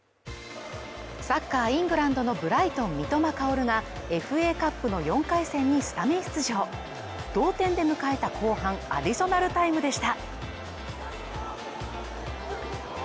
サッカーイングランドのブライトン三笘薫がＦＡカップの４回戦にスタメン出場同点で迎えた後半アディショナルタイムでした